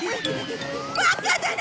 バカだな！